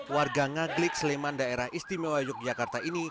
warga ngaglik sleman daerah istimewa yogyakarta ini